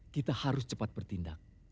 kita harus cepat bertindak